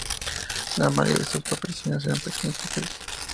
La mayoría de estas apariciones eran pequeños papeles.